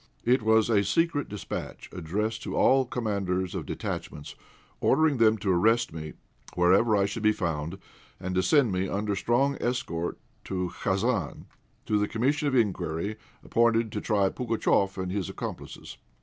It was a secret dispatch, addressed to all Commanders of detachments, ordering them to arrest me wherever I should be found, and to send me under a strong escort to Khasan, to the Commission of Inquiry appointed to try Pugatchéf and his accomplices.